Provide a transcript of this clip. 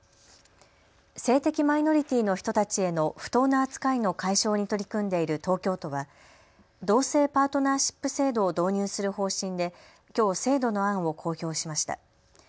性的マイノリティーの人たちへの不当な扱いの解消に取り組んでいる東京都は同性パートナーシップ制度を導入する方針できょう、制度の案を公表しました。